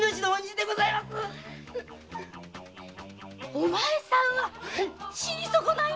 お前さんは死に損ないの？